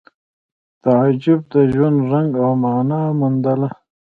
تعجب د ژوند رنګ او مانا وموندله